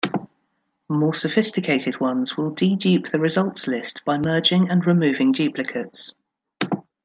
More sophisticated ones will de-dupe the results list by merging and removing duplicates.